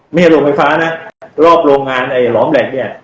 ไม่ใช่โรงไฟฟ้านะรอบโรงงานไอ้หลอมแหล่งเนี่ย